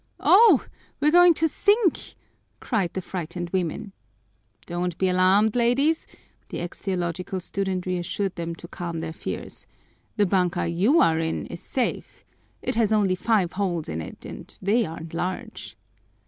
"Oh, we're going to sink!" cried the frightened women. "Don't be alarmed, ladies," the ex theological student reassured them to calm their fears. "The banka you are in is safe. It has only five holes in it and they aren't large."